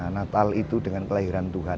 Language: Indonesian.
natal itu dengan kelahiran tuhan